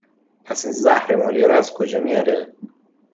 پس این زهر ماریا رو از کجا میاره؟